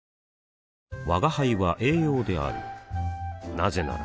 なぜなら